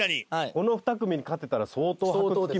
この２組に勝てたら相当箔付きますよ